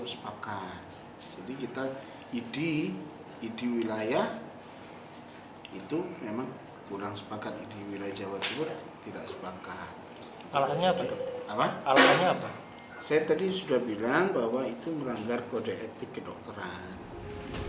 saya tadi sudah bilang bahwa itu melanggar kode etik kedokteran